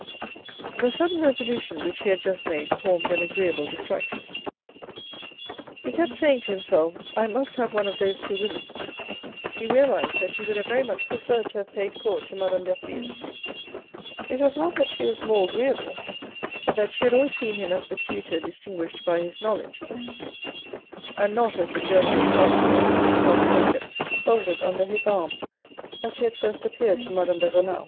The sudden resolution which he had just made formed an agreeable distraction. He kept saying to himself, " I must have one of those two women ; he realised that he would have very much preferred to have paid court to Madame Derville. It was not that she was more agreeable, but that she had always seen him as the tutor distinguished by his knowledge, and not as the journeyman carpenter with his cloth jacket folded under his arm as he had first appeared to Madame de Renal.